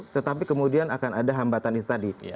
tetapi kemudian akan ada hambatan itu tadi